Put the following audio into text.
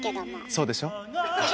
そうでしょ？